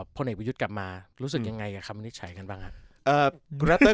พลเนกวิยุทธกลับมารู้สึกยังไงกับคำนี้ใช้กันบ้างเอ่อกูรับตัว